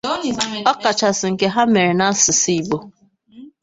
ọkachasị nke ha mere n'asụsụ Igbo